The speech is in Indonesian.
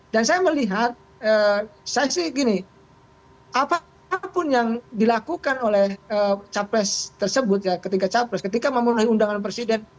dan saya melihat saya sih gini apapun yang dilakukan oleh capres tersebut ya ketika capres ketika memulai undangan presiden